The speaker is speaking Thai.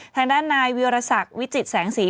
ทางด้านนายวิรสักวิจิตแสงสี